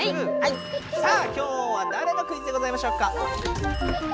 さあきょうはだれのクイズでございましょうか。